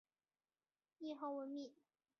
谥号文敏。